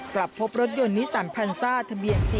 กลับพบรถยนต์นิสันพันซ่าทะเบียน๔